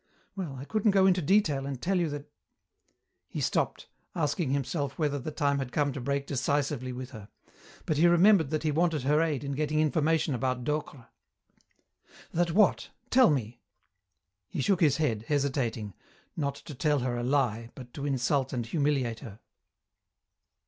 "Well, I couldn't go into detail and tell you that " He stopped, asking himself whether the time had come to break decisively with her, but he remembered that he wanted her aid in getting information about Docre. "That what? Tell me." He shook his head, hesitating, not to tell her a lie, but to insult and humiliate her.